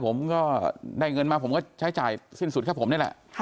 ผมก็ได้เงินมาผมก็ใช้จ่ายสิ้นสุดแค่ผมนี่แหละ